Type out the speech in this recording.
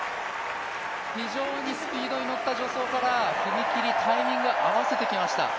非常にスピードに乗った助走から踏み切り、タイミング合わせてきました。